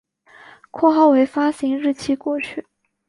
括号为发行日期过去